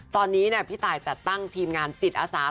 ตอนนี้พี่ตายจัดตั้งทีมงานจิตอาสา